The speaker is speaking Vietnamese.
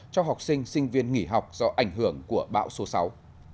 cho học sinh sinh viên nghỉ học do ảnh hưởng của bão số sáu